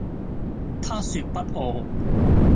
她說不餓